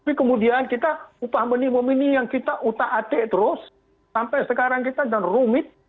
tapi kemudian kita upah minimum ini yang kita utak atik terus sampai sekarang kita dan rumit